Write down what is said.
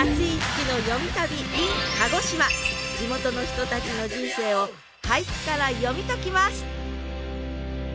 地元の人たちの人生を俳句から読み解きます！